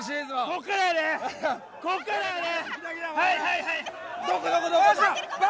こっからやで。